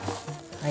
はい。